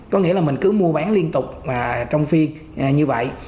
có nghĩa là mình cứ mua bán liên tục trong phiên như vậy